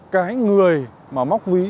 cái người mà móc ví